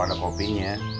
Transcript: mau ga ada kopinya